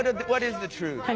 あ？